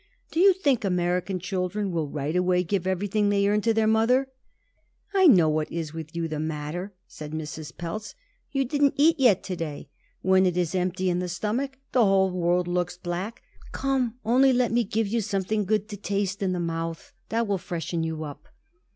Do you think American children will right away give everything they earn to their mother?" "I know what is with you the matter," said Mrs. Pelz. "You didn't eat yet to day. When it is empty in the stomach, the whole world looks black. Come, only let me give you something good to taste in the mouth; that will freshen you up."